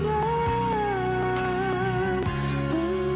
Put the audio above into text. เราเติมคุณคงก็แล้ว